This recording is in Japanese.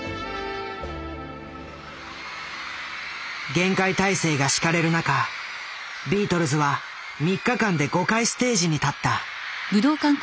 厳戒態勢が敷かれる中ビートルズは３日間で５回ステージに立った。